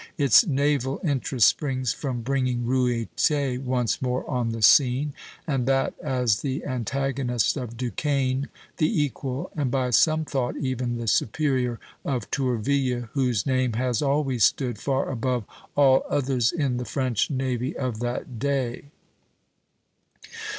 Its naval interest springs from bringing Ruyter once more on the scene, and that as the antagonist of Duquesne, the equal, and by some thought even the superior, of Tourville, whose name has always stood far above all others in the French navy of that day.